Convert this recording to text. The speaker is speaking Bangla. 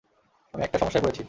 আমি একটা সমস্যায় পড়েছি।